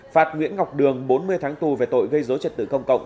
phạt nguyễn ngọc đường bốn mươi tháng tù về tội gây dối trật tự công cộng